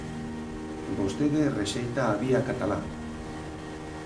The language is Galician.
Vostede rexeita a vía catalá.